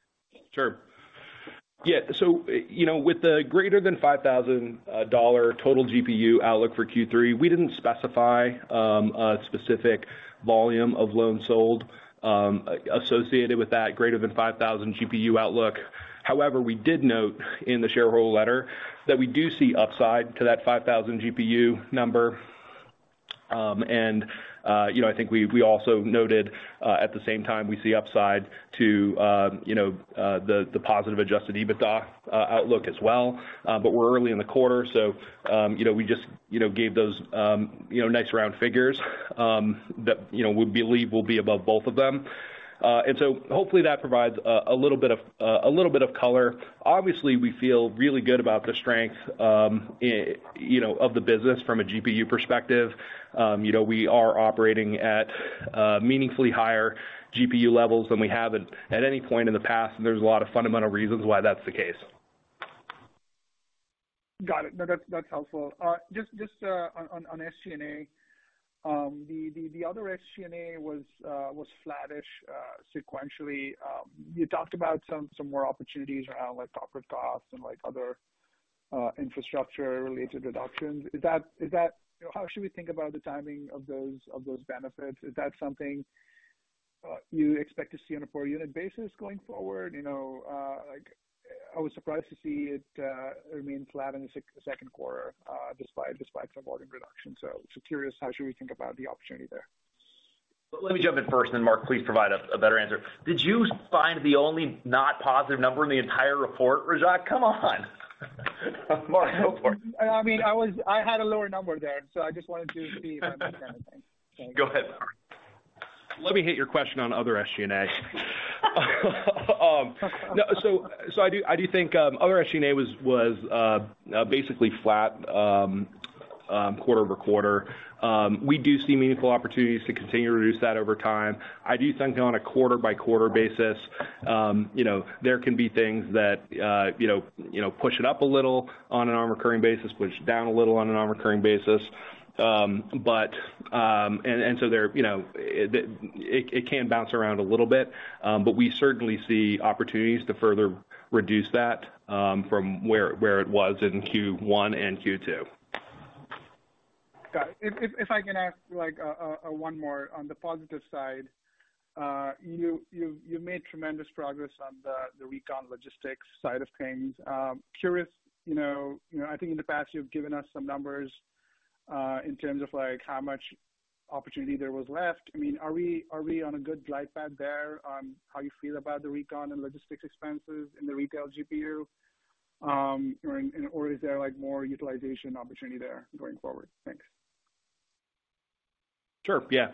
Sure. Yeah, so, you know, with the greater than $5,000 total GPU outlook for Q3, we didn't specify a specific volume of loans sold associated with that greater than $5,000 GPU outlook. However, we did note in the shareholder letter that we do see upside to that $5,000 GPU number. You know, I think we also noted at the same time, we see upside to, you know, the positive adjusted EBITDA outlook as well. We're early in the quarter, so, you know, we just, you know, gave those, you know, nice round figures that, you know, we believe will be above both of them. Hopefully that provides a little bit of color. Obviously, we feel really good about the strength, you know, of the business from a GPU perspective. You know, we are operating at meaningfully higher GPU levels than we have at any point in the past, and there's a lot of fundamental reasons why that's the case. Got it. No, that's helpful. Just on SG&A. The other SG&A was flattish sequentially. You talked about some more opportunities around, like, software costs and, like, other infrastructure related reductions. How should we think about the timing of those benefits? Is that something you expect to see on a 4-unit basis going forward? You know, like, I was surprised to see it remain flat in the second quarter despite some margin reduction. Curious, how should we think about the opportunity there? Let me jump in first, and then, Mark, please provide a better answer. Did you find the only not positive number in the entire report, Rajat? Come on. Mark, go for it. I mean, I had a lower number there, so I just wanted to see if I missed anything. Go ahead, Mark. Let me hit your question on other SG&A. No, so I do think other SG&A was basically flat quarter-over-quarter. We do see meaningful opportunities to continue to reduce that over time. I do think on a quarter-by-quarter basis, you know, there can be things that, you know, push it up a little on a non-recurring basis, push it down a little on a non-recurring basis. They're, you know, it can bounce around a little bit, but we certainly see opportunities to further reduce that from where it was in Q1 and Q2. Got it. If I can ask, like, one more on the positive side. You made tremendous progress on the recon logistics side of things. Curious, you know, I think in the past, you've given us some numbers, in terms of, like, how much opportunity there was left. I mean, are we on a good glide path there on how you feel about the recon and logistics expenses in the retail GPU? Is there, like, more utilization opportunity there going forward? Thanks. Sure. Yeah.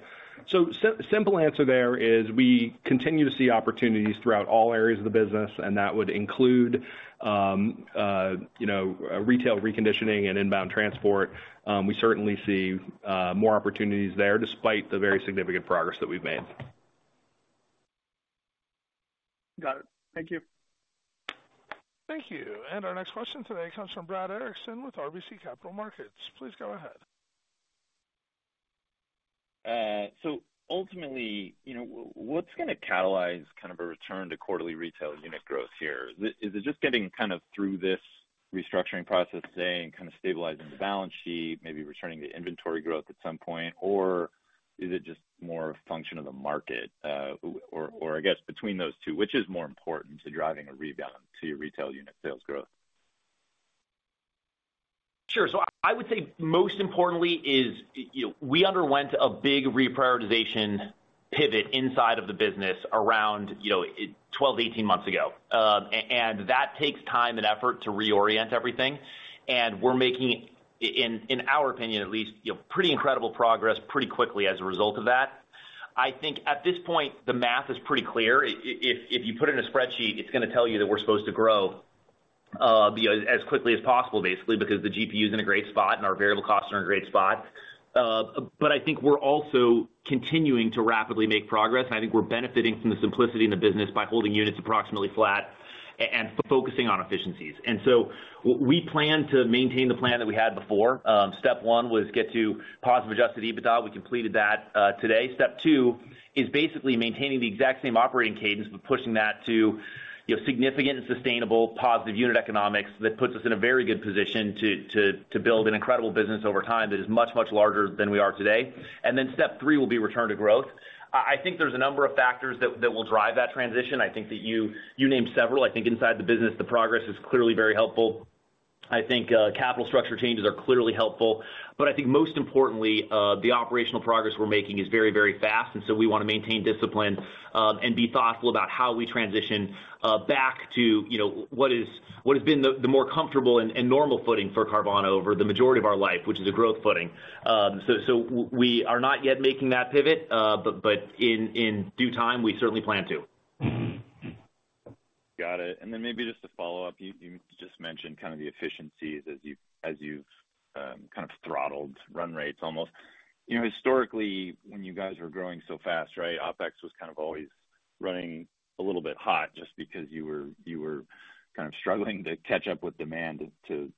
Simple answer there is we continue to see opportunities throughout all areas of the business. That would include, you know, retail reconditioning and inbound transport. We certainly see more opportunities there, despite the very significant progress that we've made. Got it. Thank you. Thank you. Our next question today comes from Brad Erickson with RBC Capital Markets. Please go ahead. Ultimately, you know, what's gonna catalyze kind of a return to quarterly retail unit growth here? Is it just getting kind of through this restructuring process today and kind of stabilizing the balance sheet, maybe returning to inventory growth at some point, or is it just more a function of the market? Or I guess between those two, which is more important to driving a rebound to your retail unit sales growth? Sure. I would say most importantly is, you know, we underwent a big reprioritization pivot inside of the business around, you know, 12 to 18 months ago. And that takes time and effort to reorient everything, and we're making it, in our opinion, at least, you know, pretty incredible progress pretty quickly as a result of that. I think at this point, the math is pretty clear. If you put it in a spreadsheet, it's gonna tell you that we're supposed to grow, you know, as quickly as possible, basically, because the GPU is in a great spot and our variable costs are in a great spot. I think we're also continuing to rapidly make progress, and I think we're benefiting from the simplicity in the business by holding units approximately flat and focusing on efficiencies. We plan to maintain the plan that we had before. Step one was get to positive adjusted EBITDA. We completed that today. Step two is basically maintaining the exact same operating cadence, but pushing that to, you know, significant and sustainable positive unit economics. That puts us in a very good position to build an incredible business over time that is much, much larger than we are today. Then step three will be return to growth. I think there's a number of factors that will drive that transition. I think that you named several. I think inside the business, the progress is clearly very helpful. I think, capital structure changes are clearly helpful, but I think most importantly, the operational progress we're making is very, very fast. We want to maintain discipline, and be thoughtful about how we transition back to, you know, what has been the more comfortable and normal footing for Carvana over the majority of our life, which is a growth footing. We are not yet making that pivot, but, in due time, we certainly plan to. Got it. Then maybe just to follow up, you just mentioned kind of the efficiencies as you, as you've kind of throttled run rates almost. You know, historically, when you guys were growing so fast, right, OpEx was kind of always running a little bit hot just because you were kind of struggling to catch up with demand to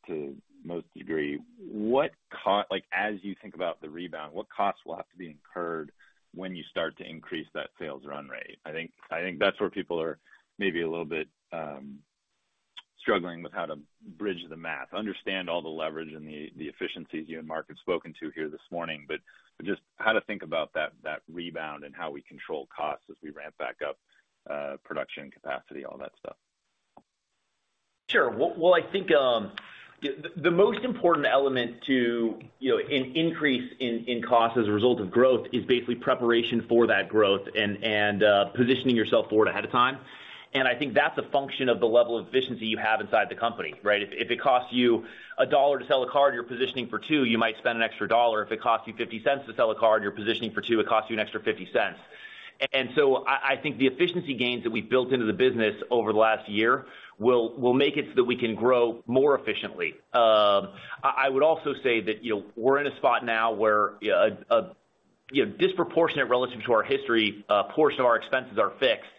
most degree. What like, as you think about the rebound, what costs will have to be incurred when you start to increase that sales run rate? I think that's where people are maybe a little bit struggling with how to bridge the math, understand all the leverage and the efficiencies you and Mark have spoken to here this morning. Just how to think about that rebound and how we control costs as we ramp back up, production capacity, all that stuff. Sure. Well, I think, the most important element to, you know, an increase in costs as a result of growth is basically preparation for that growth and positioning yourself for it ahead of time. I think that's a function of the level of efficiency you have inside the company, right? If it costs you $1 to sell a car, you're positioning for 2, you might spend an extra $1. If it costs you $0.50 to sell a car, and you're positioning for 2, it costs you an extra $0.50. I think the efficiency gains that we've built into the business over the last year will make it so that we can grow more efficiently. I would also say that, you know, we're in a spot now where a, you know, disproportionate relative to our history, portion of our expenses are fixed.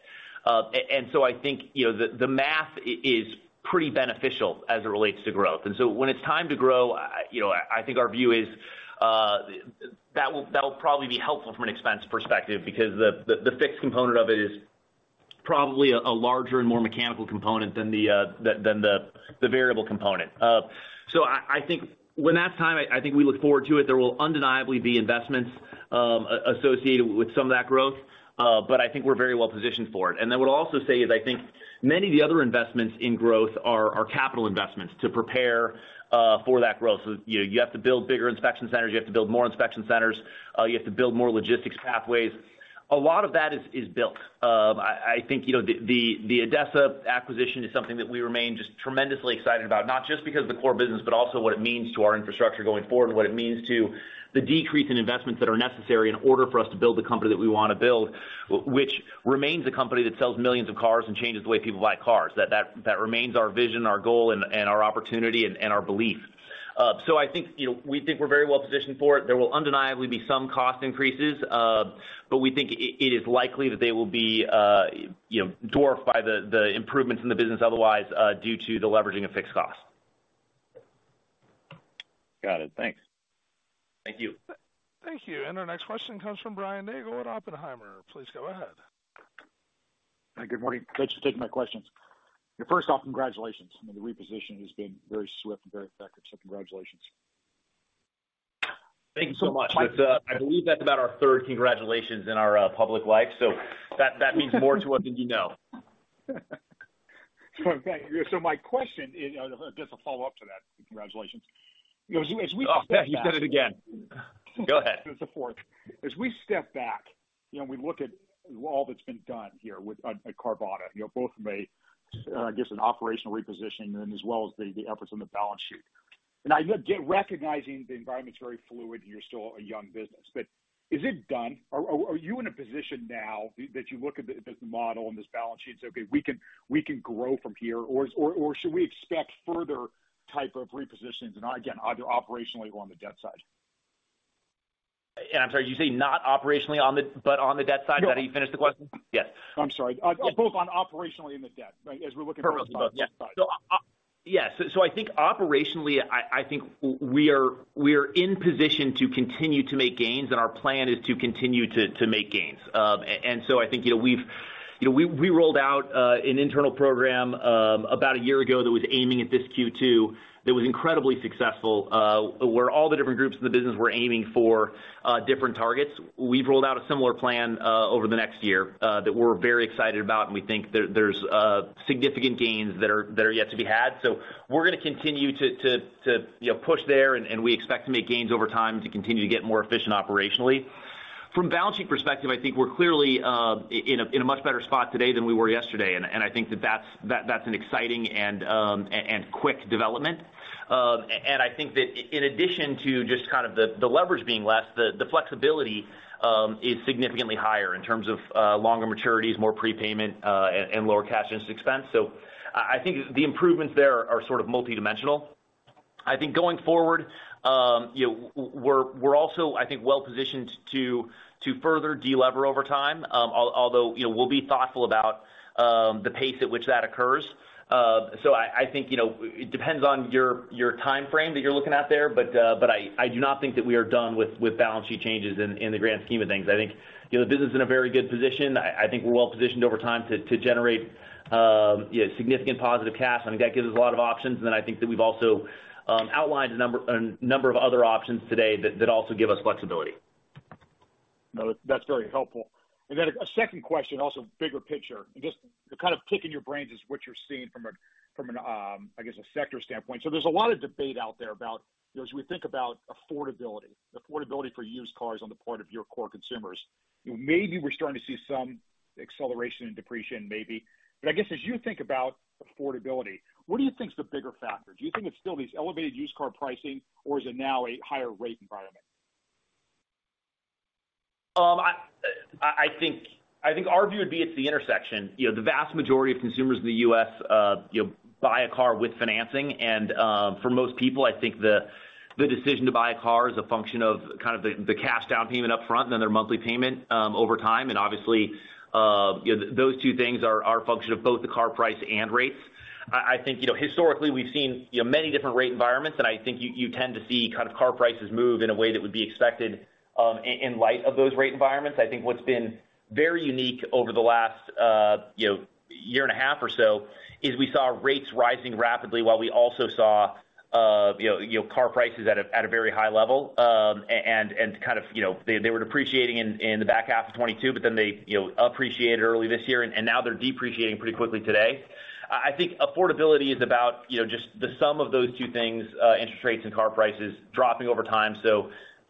And so I think, you know, the math is pretty beneficial as it relates to growth. When it's time to grow, I, you know, I think our view is, that'll probably be helpful from an expense perspective because the fixed component of it is probably a larger and more mechanical component than the variable component. So I think when that's time, I think we look forward to it. There will undeniably be investments, associated with some of that growth, but I think we're very well positioned for it. What I'll also say is, I think many of the other investments in growth are capital investments to prepare for that growth. You know, you have to build bigger inspection centers, you have to build more inspection centers, you have to build more logistics pathways. A lot of that is built. I think, you know, the ADESA acquisition is something that we remain just tremendously excited about, not just because of the core business, but also what it means to our infrastructure going forward and what it means to the decrease in investments that are necessary in order for us to build the company that we want to build. Which remains a company that sells millions of cars and changes the way people buy cars. That remains our vision, our goal, and our opportunity and our belief. I think, you know, we think we're very well positioned for it. There will undeniably be some cost increases, but we think it is likely that they will be, you know, dwarfed by the improvements in the business, otherwise, due to the leveraging of fixed costs. Got it. Thanks. Thank you. Thank you. Our next question comes from Brian Nagel at Oppenheimer. Please go ahead. Hi, good morning. Thanks for taking my questions. First off, congratulations. I mean, the reposition has been very swift and very effective. Congratulations. Thank you so much. That's I believe that's about our third congratulations in our public life. That means more to us than you know. My question is, just a follow-up to that congratulations. You know, as we. Oh, you said it again. Go ahead. It's the fourth. As we step back, you know, we look at all that's been done here with at Carvana, you know, both from a, I guess, an operational reposition and as well as the efforts on the balance sheet. Now, again, recognizing the environment's very fluid, you're still a young business, but is it done? Or, are you in a position now that you look at the model and this balance sheet and say, "Okay, we can grow from here," or, should we expect further type of repositions? Again, either operationally or on the debt side. I'm sorry, did you say not operationally on the... but on the debt side? How do you finish the question? Yes. I'm sorry. Both on operationally and the debt, right, as we're looking. Both, yes. I think operationally, I think we are in position to continue to make gains, and our plan is to continue to make gains. And so I think, you know, we've, you know, we rolled out an internal program about a year ago that was aiming at this Q2, that was incredibly successful, where all the different groups in the business were aiming for different targets. We've rolled out a similar plan over the next year that we're very excited about, and we think there's significant gains that are yet to be had. We're going to continue to, you know, push there, and we expect to make gains over time to continue to get more efficient operationally. From a balance sheet perspective, I think we're clearly in a much better spot today than we were yesterday, and I think that that's an exciting and quick development. I think that in addition to just kind of the leverage being less, the flexibility is significantly higher in terms of longer maturities, more prepayment, and lower cash interest expense. I think the improvements there are sort of multidimensional. I think going forward, you know, we're also, I think, well positioned to further delever over time, although, you know, we'll be thoughtful about the pace at which that occurs. I think, you know, it depends on your time frame that you're looking at there, but I do not think that we are done with balance sheet changes in the grand scheme of things. I think, you know, the business is in a very good position. I think we're well positioned over time to generate, yeah, significant positive cash. I mean, that gives us a lot of options. I think that we've also outlined a number of other options today that also give us flexibility. No, that's very helpful. A second question, also bigger picture, and just to kind of pick in your brains is what you're seeing from an, I guess, a sector standpoint. There's a lot of debate out there about, you know, as we think about affordability for used cars on the part of your core consumers. You know, maybe we're starting to see some acceleration in depreciation, maybe. I guess, as you think about affordability, what do you think is the bigger factor? Do you think it's still these elevated used car pricing, or is it now a higher rate environment? I think our view would be it's the intersection. You know, the vast majority of consumers in the U.S., you know, buy a car with financing, and for most people, I think the decision to buy a car is a function of kind of the cash down payment upfront, then their monthly payment over time. Obviously, you know, those two things are a function of both the car price and rates. I think, you know, historically, we've seen, you know, many different rate environments, and I think you tend to see kind of car prices move in a way that would be expected in light of those rate environments. I think what's been very unique over the last, you know, year and a half or so, is we saw rates rising rapidly while we also saw, you know, car prices at a very high level. Kind of, you know, they were depreciating in the back half of 22, but then they, you know, appreciated early this year, and now they're depreciating pretty quickly today. I think affordability is about, you know, just the sum of those two things, interest rates and car prices dropping over time.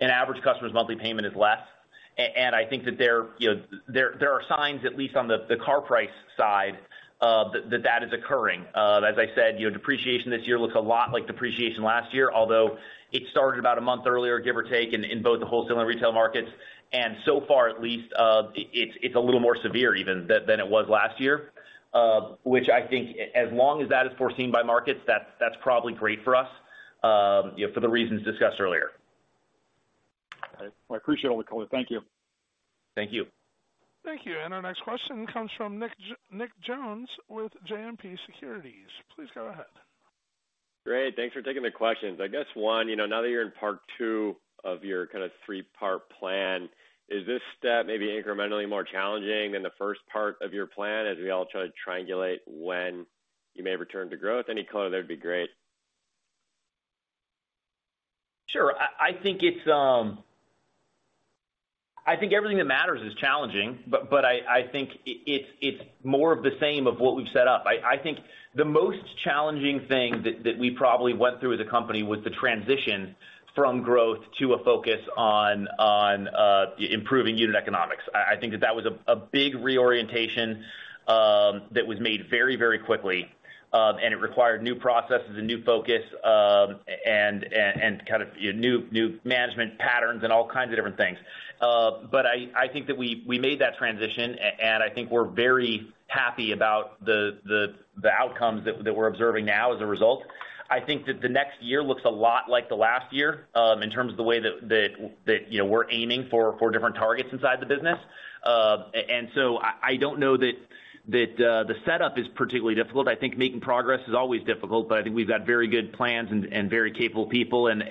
An average customer's monthly payment is less. I think that there are signs, at least on the car price side, that is occurring. As I said, you know, depreciation this year looks a lot like depreciation last year, although it started about a month earlier, give or take, in both the wholesale and retail markets, and so far, at least, it's a little more severe even than it was last year. Which I think as long as that is foreseen by markets, that's probably great for us, you know, for the reasons discussed earlier. I appreciate all the color. Thank you. Thank you. Thank you. Our next question comes from Nicholas Jones with JMP Securities. Please go ahead. Great. Thanks for taking the questions. I guess one, you know, now that you're in part two of your kind of three-part plan, is this step maybe incrementally more challenging than the first part of your plan, as we all try to triangulate when you may return to growth? Any color there would be great. Sure. I think everything that matters is challenging, but I think it's more of the same of what we've set up. I think the most challenging thing that we probably went through as a company was the transition from growth to a focus on improving unit economics. I think that was a big reorientation that was made very quickly, and it required new processes and new focus, and kind of, you know, new management patterns and all kinds of different things. I think that we made that transition, and I think we're very happy about the outcomes that we're observing now as a result. I think that the next year looks a lot like the last year, in terms of the way that, you know, we're aiming for different targets inside the business. I don't know that, the setup is particularly difficult. I think making progress is always difficult, but I think we've got very good plans and very capable people, and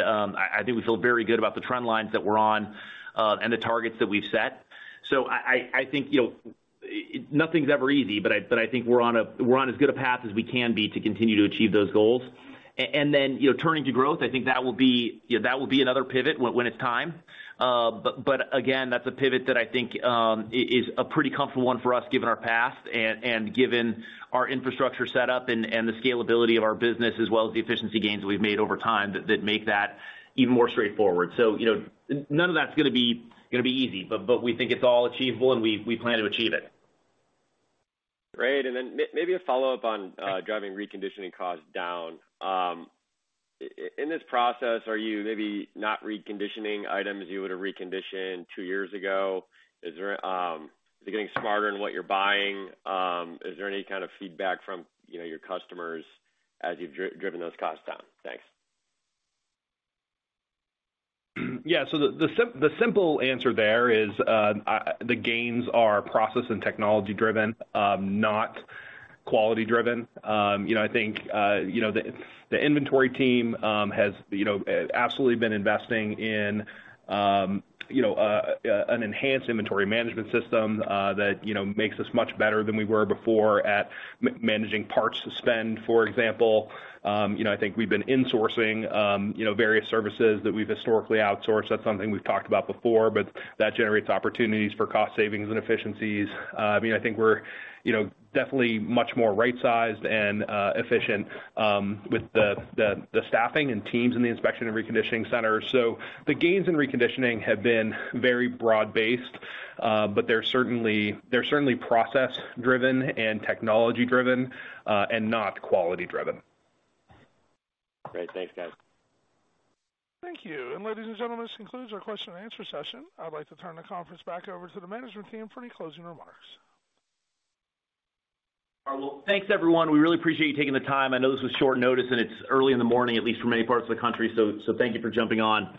I think we feel very good about the trend lines that we're on, and the targets that we've set. I think, you know, nothing's ever easy, but I think we're on a, we're on as good a path as we can be to continue to achieve those goals. Then, you know, turning to growth, I think that will be, you know, that will be another pivot when it's time. Again, that's a pivot that I think is a pretty comfortable one for us, given our past and given our infrastructure setup and the scalability of our business, as well as the efficiency gains that we've made over time, that make that even more straightforward. You know, none of that's going to be easy, but we think it's all achievable, and we plan to achieve it. Great. Maybe a follow-up on driving reconditioning costs down. In this process, are you maybe not reconditioning items you would have reconditioned two years ago? Is there, are you getting smarter in what you're buying? Is there any kind of feedback from, you know, your customers as you've driven those costs down? Thanks. The simple answer there is the gains are process and technology driven, not quality driven. You know, I think, you know, the inventory team has, you know, absolutely been investing in an enhanced inventory management system that, you know, makes us much better than we were before at managing parts spend, for example. You know, I think we've been insourcing, you know, various services that we've historically outsourced. That's something we've talked about before, that generates opportunities for cost savings and efficiencies. I mean, I think we're, you know, definitely much more right-sized and efficient with the staffing and teams in the inspection and reconditioning center. The gains in reconditioning have been very broad-based, but they're certainly, they're certainly process driven and technology driven, and not quality driven. Great. Thanks, guys. Thank you. Ladies and gentlemen, this concludes our question and answer session. I'd like to turn the conference back over to the management team for any closing remarks. Well, thanks, everyone. We really appreciate you taking the time. I know this was short notice, and it's early in the morning, at least for many parts of the country, so thank you for jumping on.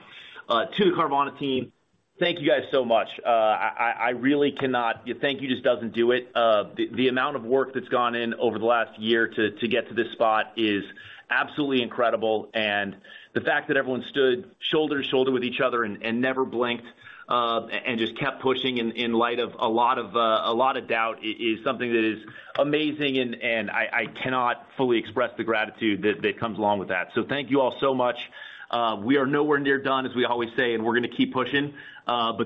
To the Carvana team, thank you guys so much. I really cannot... Thank you just doesn't do it. The amount of work that's gone in over the last year to get to this spot is absolutely incredible, and the fact that everyone stood shoulder to shoulder with each other and never blinked, and just kept pushing in light of a lot of doubt, is something that is amazing, and I cannot fully express the gratitude that comes along with that. Thank you all so much. We are nowhere near done, as we always say, and we're gonna keep pushing.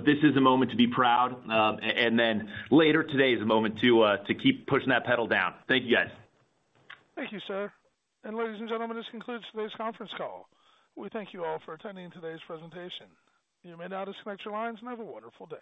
This is a moment to be proud, and then later today is a moment to keep pushing that pedal down. Thank you, guys. Thank you, sir. Ladies and gentlemen, this concludes today's conference call. We thank you all for attending today's presentation. You may now disconnect your lines and have a wonderful day.